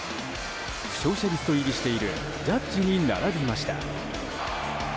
負傷者リスト入りしているジャッジに並びました。